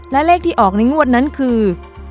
และเลขที่ออกในงวดนั้นคือ๒๕๖๗๖๗๐